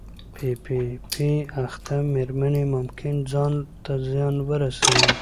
پی پي پي اخته مېرمنې ممکن ځان ته زیان ورسوي.